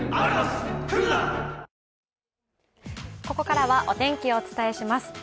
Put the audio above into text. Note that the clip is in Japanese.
ここからはお天気をお伝えします。